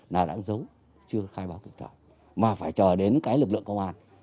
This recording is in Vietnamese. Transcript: là đã giấu chưa khai báo thực trạng mà phải chờ đến cái lực lượng công an